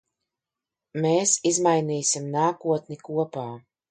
Mēs izmainīsim nākotni kopā.